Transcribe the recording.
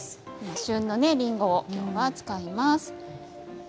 旬のりんごを使います。